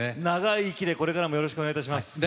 長い息でこれからもよろしくお願いいたします。